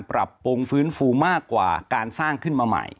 ปรับปรุงฟื้นฟูมากกว่าการสร้างขึ้นมาใหม่